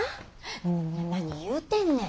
な何言うてんねん。